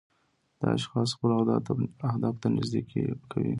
دا اشخاص خپلو اهدافو ته نږدې کوي.